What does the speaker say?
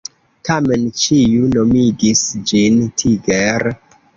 Tamen ĉiu nomigis ĝin Tiger.